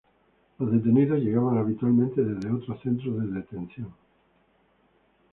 Los detenidos llegaban habitualmente desde otros centros de detención.